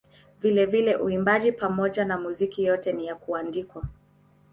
Vilevile uimbaji pamoja na muziki yote ni ya kuandikwa.